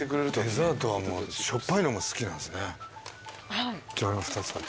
デザートはしょっぱいのも好きなんですね。